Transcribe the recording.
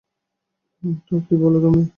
তো, কী বলো তুমি?